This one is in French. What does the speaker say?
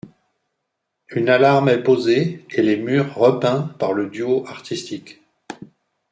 Une alarme est posée et les murs repeints par le duo artistique.